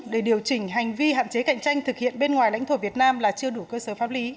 để điều chỉnh hành vi hạn chế cạnh tranh thực hiện bên ngoài lãnh thổ việt nam là chưa đủ cơ sở pháp lý